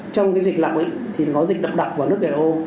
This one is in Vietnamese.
trong dịch lọc thì có dịch đậm đặc vào nước l o